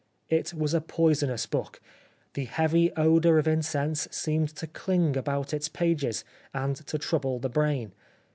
... It was a poisonous book. The heavy odour of incense seemed to chng about its pages, and to trouble the brain.